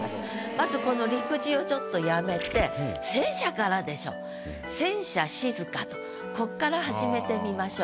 まずこの「陸自」をちょっとやめて「戦車」からでしょ「戦車しづか」とここから始めてみましょう。